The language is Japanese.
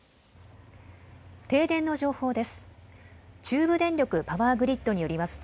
停電の情報です。